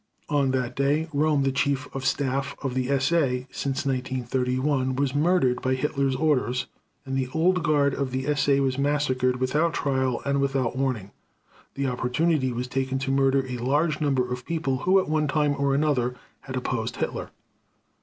On that day Röhm, the Chief of Staff of the SA since 1931, was murdered by Hitler's orders, and the "Old Guard" of the SA was massacred without trial and without warning. The opportunity was taken to murder a large number of people who at one time or another had opposed Hitler.